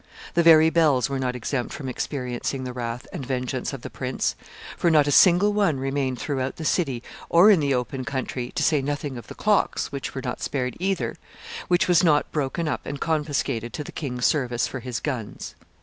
The very bells were not exempt from experiencing the wrath and vengeance of the prince, for not a single one remained throughout the whole city or in the open country to say nothing of the clocks, which were not spared either which was not broken up and confiscated to the king's service for his guns."